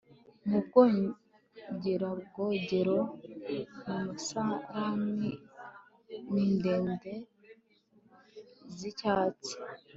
mu bwogerobwogero mu musarani nindege zicyatsi